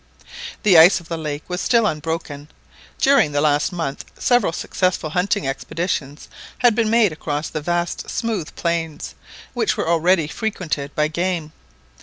The ice of the lake was still unbroken. During the last month several successful hunting expeditions had been made across the vast smooth plains, which were already frequented by game.